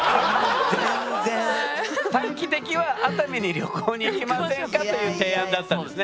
短期的は「熱海に旅行に行きませんか」という提案だったんですね？